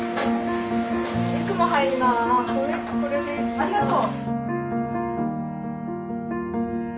ありがとう。